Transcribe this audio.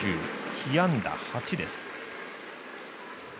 被安打８です。